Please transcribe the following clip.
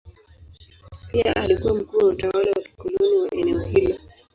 Pia alikuwa mkuu wa utawala wa kikoloni wa eneo hilo.